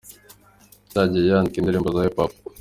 Yatangiye yandika indirimbo za Hip Hop.